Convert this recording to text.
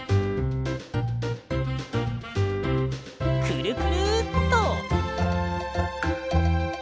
くるくるっと！